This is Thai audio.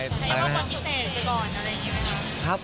คิดว่าคนพิเศษไปก่อนอะไรอย่างนี้ไหมครับ